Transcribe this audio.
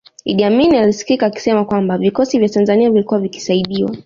Idi Amin alisikika akisema kwamba vikosi vya Tanzania vilikuwa vikisaidiwa